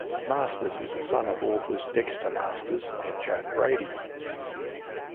Masters is the son of authors Dexter Masters and Joan Brady.